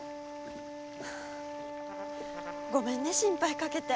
ごめんね心配かけて。